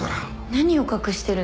何を隠してるの？